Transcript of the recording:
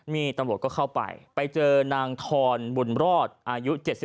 มีตำบลก็เข้าไปไปเจอนางทอนบุญรอดอายุ๗๑ปี